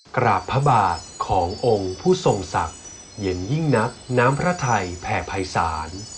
กราบพระบาทขององค์ผู้ทรงศักดิ์เย็นยิ่งนักน้ำพระไทยแผ่ภัยศาล